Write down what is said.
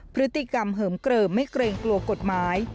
พฤติกรรมเหิมเกลิมไม่เกรงกลัวกฎหมาย